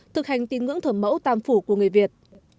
thực hành tín ngưỡng thờ mẫu tam phủ của người việt